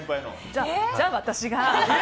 じゃあ、私が。